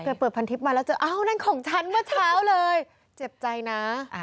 เปิดพันทิพย์มาแล้วเจออ้าวนั่นของฉันเมื่อเช้าเลยเจ็บใจนะ